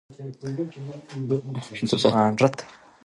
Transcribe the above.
کولمو بکتریاوې د حافظې په فعالیت اغېز لري.